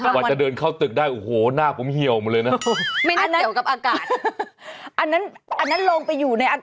กว่าจะเดินเข้าตึกได้โอ้โฮหน้ากลมเหี่ยวมาเลยนะ